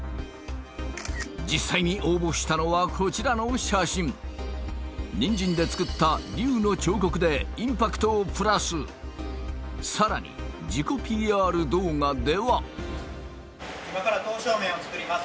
実際に応募したのはこちらの写真ニンジンで作った竜の彫刻でインパクトをプラスさらに自己ＰＲ動画では今から刀削麺を作ります